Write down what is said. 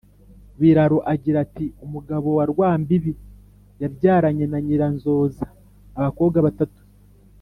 biraro agira ati: “umugabo rwambibi yabyaranye na nyiranzoza abakobwa batatu